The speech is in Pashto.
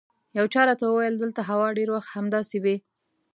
یو چا راته وویل دلته هوا ډېر وخت همداسې وي.